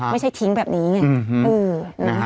ไม่ใช่ทิ้งแบบนี้ไง